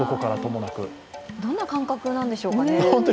どんな感覚なんでしょうかね。